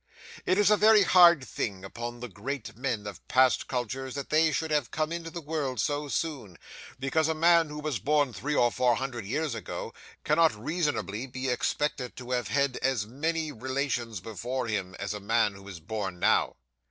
It is a very hard thing upon the great men of past centuries, that they should have come into the world so soon, because a man who was born three or four hundred years ago, cannot reasonably be expected to have had as many relations before him, as a man who is born now.